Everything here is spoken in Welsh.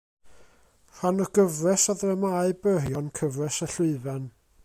Rhan o gyfres o ddramâu byrion Cyfres y Llwyfan.